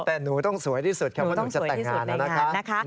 แต่หนูต้องสวยที่สุดคำว่าหนูจะแต่งงานแล้วนะคะ